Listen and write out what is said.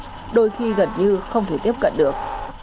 đôi khi gần như không thể tiếp cận được